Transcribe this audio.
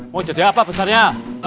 mau jadi apa besarnya